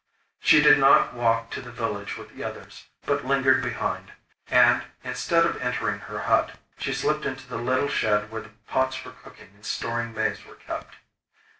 She did not walk to the village with the others, but lingered behind, and, instead of entering her hut, she slipped into the little shed where the pots for cooking and storing maize were kept.